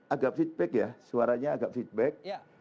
agak feedback ya suaranya agak feedback